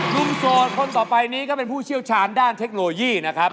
โสดคนต่อไปนี้ก็เป็นผู้เชี่ยวชาญด้านเทคโนโลยีนะครับ